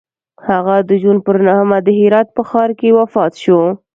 هغه د جون پر نهمه د هرات په ښار کې وفات شو.